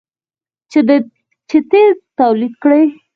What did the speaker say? چې تیل تولید کړي.